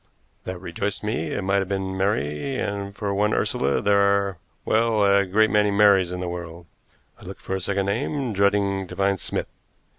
That rejoiced me; it might have been Mary, and for one Ursula there are well, a great many Marys in the world. I looked for a second name, dreading to find Smith.